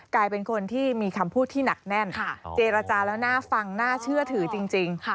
กลายเป็นคนที่มีคำพูดที่หนักแน่นเจรจาแล้วน่าฟังน่าเชื่อถือจริง